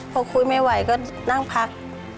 พอคุยไม่ไหวก็นั่งพัก